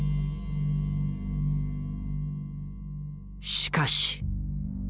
しかし。